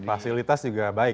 fasilitas juga baik